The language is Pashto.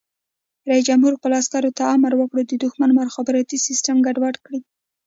رئیس جمهور خپلو عسکرو ته امر وکړ؛ د دښمن مخابراتي سیسټم ګډوډ کړئ!